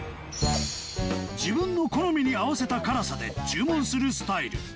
自分の好みに合わせた辛さで注文するスタイル